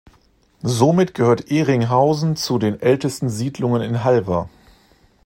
Somit gehört Ehringhausen zu den ältesten Siedlungen in Halver.